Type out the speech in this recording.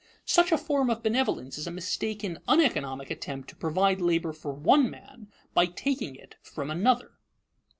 Such a form of benevolence is a mistaken, uneconomic attempt to provide labor for one man by taking it from another.